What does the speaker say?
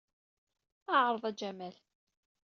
Ɛreḍ a Jamal.